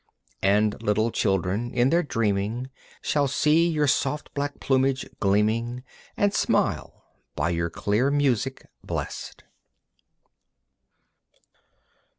And little children in their dreaming Shall see your soft black plumage gleaming And smile, by your clear music blest.